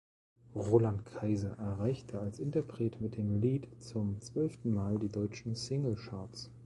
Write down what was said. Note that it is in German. Roland Kaiser erreichte als Interpret mit dem Lied zum zwölften Mal die deutschen Singlecharts.